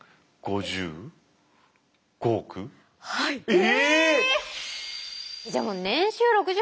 え！